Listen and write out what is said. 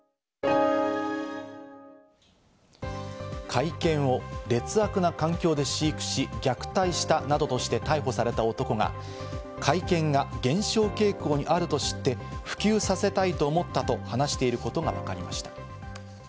甲斐犬を劣悪な環境で飼育し、虐待したなどとして逮捕された男が甲斐犬が減少傾向にあると知って、普及させたいと思ったと話していることがわかりました。